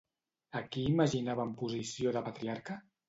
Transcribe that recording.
A qui imaginava en posició de patriarca?